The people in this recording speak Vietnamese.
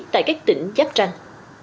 tại các tỉnh giáp tranh